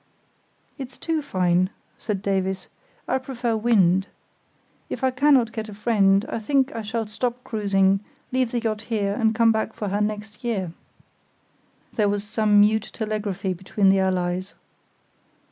"It's too fine," said Davies; "I prefer wind. If I cannot get a friend I think I shall stop cruising, leave the yacht here, and come back for her next year. There was some mute telegraphy between the allies.